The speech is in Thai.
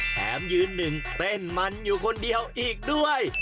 แถมยืนหนึ่งเต้นมันอยู่คนเดียวอีกด้วย